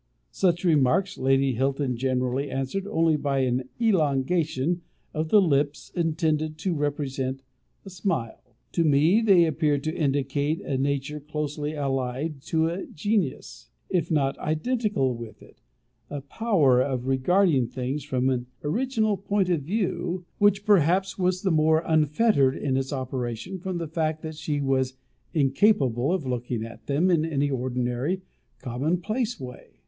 Such remarks Lady Hilton generally answered only by an elongation of the lips intended to represent a smile. To me, they appeared to indicate a nature closely allied to genius, if not identical with it a power of regarding things from an original point of view, which perhaps was the more unfettered in its operation from the fact that she was incapable of looking at them in the ordinary common place way.